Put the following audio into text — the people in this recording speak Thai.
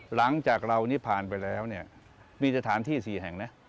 หลังจากเรานี้ผ่านไปแล้วมีจัดฐานที่สี่แห่งนะ